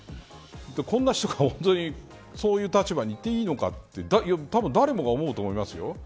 こんな人が本当にそういう立場にいていいのかってたぶん誰もが思うと思いますよ。